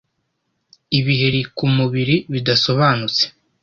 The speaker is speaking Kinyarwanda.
Ibiheri ku mubiri bidasobanutse